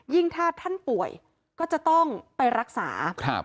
ยิ่งถ้าท่านป่วยก็จะต้องไปรักษา